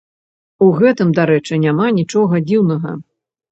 У гэтым, дарэчы, няма нічога дзіўнага.